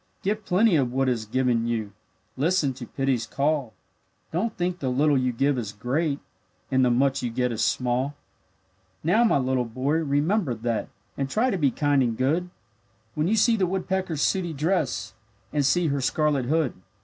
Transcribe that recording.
Give plenty of what is given you, Listen to pity's call; Don't think the little you give is great, And the much you get is small. Now, my little boy, remember that, And try to be kind and good, When you see the woodpecker's sooty dress, And see her scarlet hood.